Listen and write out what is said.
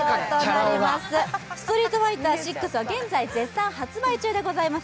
「ストリートファイター６」は現在絶賛発売中でございます。